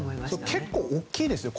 結構、大きいですよ。